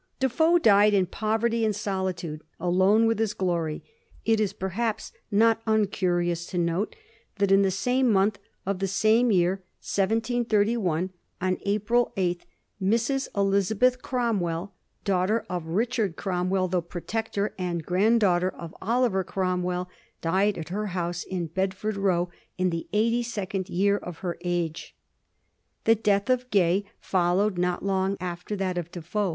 Defoe died in poverty and solitude — "alone with his glory." It is perhaps not uncurious to note that in the same month of the same year, 1731, on 1733. GAY'S REQUEST. 8 April 8tby '^Mrs. Elizabeth Cromwell, daughter of Bichard Cromwelly the Protector, and granddaughter of Oliver Cromwell, died at her house in Bedford Bow, in the eighty second year of her age." The death of Gay followed not long after that of Defoe.